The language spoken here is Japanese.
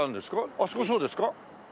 あそこそうですか？